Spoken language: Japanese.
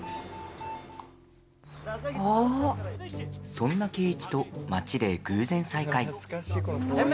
そんな圭一と町で偶然、再会。